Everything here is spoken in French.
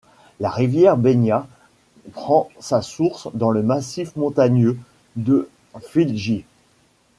La rivière Begna prend sa source dans le massif montagneux de Filefjell.